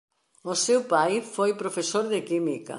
O seu pai foi profesor de química.